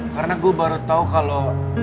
karena gua baru tau kalo